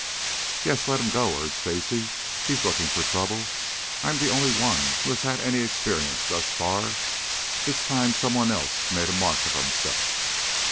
"Yes, let him go," urged Stacy. "He's looking for trouble. I'm the only one who has had any experience thus far. It's time some one else made a mark of himself."